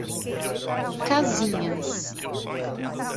Casinhas